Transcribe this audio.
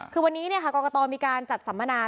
คือวันนี้กรกตมีการจัดสัมมนา